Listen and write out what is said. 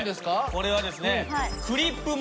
これはですね